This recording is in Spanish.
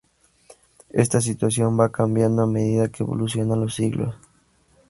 Esta situación va cambiando a medida que evolucionan los siglos.